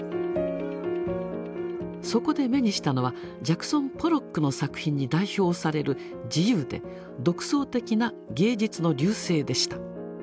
そこで目にしたのはジャクソン・ポロックの作品に代表される自由で独創的な芸術の隆盛でした。